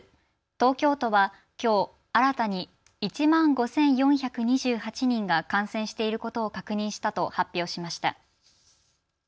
東京都はきょう新たに１万５４２８人が感染していることを確認したと発表しました。